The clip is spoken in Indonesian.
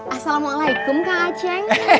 assalamualaikum kak acheng